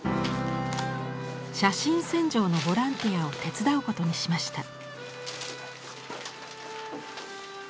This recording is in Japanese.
写真洗浄のボランティアを手伝うことにしました。